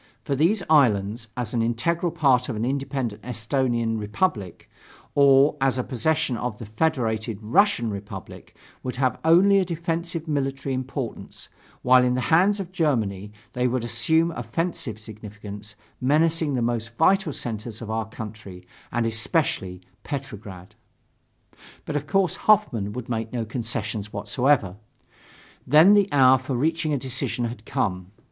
For these islands, as an integral part of an independent Esthonian Republic, or as a possession of the Federated Russian Republic would have only a defensive military importance, while in the hands of Germany they would assume offensive significance, menacing the most vital centers of our country, and especially Petrograd." But, of course, Hoffmann would make no concessions whatsoever. Then the hour for reaching a decision had come.